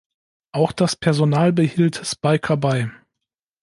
Auch das Personal behielt Spyker bei.